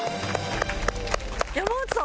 山内さん